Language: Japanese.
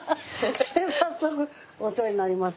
早速お世話になります。